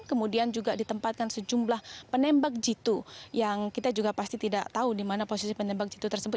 kemudian juga ditempatkan sejumlah penembak jitu yang kita juga pasti tidak tahu di mana posisi penembak jitu tersebut